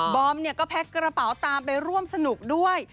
อมเนี่ยก็แพ็กกระเป๋าตามไปร่วมสนุกด้วย